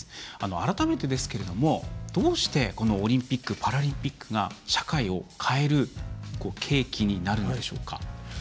改めてですけれどもどうして、オリンピック・パラリンピックが社会を変える契機になるのでしょうか？